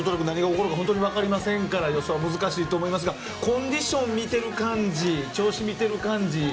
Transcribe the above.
何が起きるか分かりませんから予想が難しいと思いますがコンディションを見てる感じ調子を見ている感じ